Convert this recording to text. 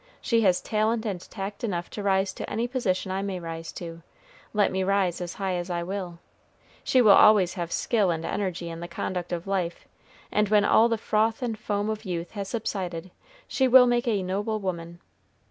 She has talent and tact enough to rise to any position I may rise to, let me rise as high as I will. She will always have skill and energy in the conduct of life; and when all the froth and foam of youth has subsided, she will make a noble woman.